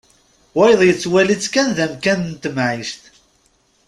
Wayeḍ yettwali-tt kan d amkan n temɛict.